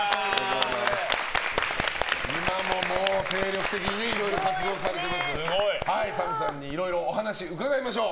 今ももう精力的にいろいろ活躍されているＳＡＭさんにいろいろお話伺いましょう。